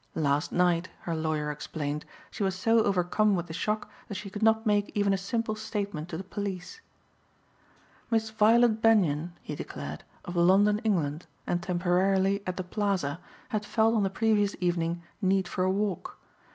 Last night, her lawyer explained, she was so overcome with the shock that she could not make even a simple statement to the police. Miss Violet Benyon, he declared, of London, England, and temporarily at the Plaza, had felt on the previous evening need for a walk.